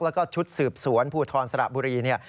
แล้วก็ชุดสืบสวนผู้ทอนสระบุรี